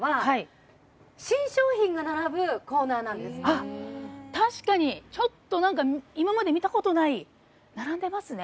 あっ確かにちょっと今まで見たことない並んでますね